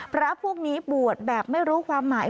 พระพวกนี้บวชแบบไม่รู้ความหมาย